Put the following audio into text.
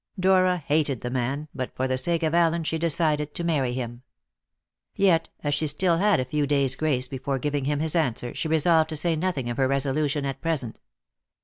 Dora hated the man, but for the sake of Allen she decided to marry him. Yet, as she still had a few days' grace before giving him his answer, she resolved to say nothing of her resolution at present.